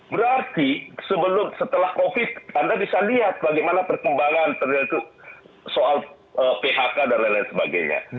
berarti sebelum setelah covid anda bisa lihat bagaimana perkembangan soal phk dan lain lain sebagainya